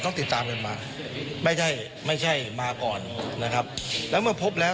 ติดตามกันมาไม่ใช่ไม่ใช่มาก่อนนะครับแล้วเมื่อพบแล้ว